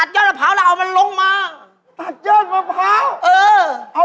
จัมเวียบวะ